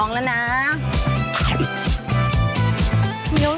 นุ่มนิ่ม